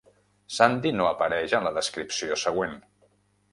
Sandhi no apareix en la descripció següent.